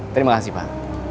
terima kasih pak